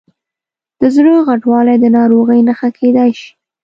د زړه غټوالی د ناروغۍ نښه کېدای شي.